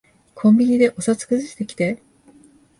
コンビニでお札くずしてきて。